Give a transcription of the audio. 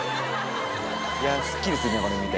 いやすっきりするねこれ見て。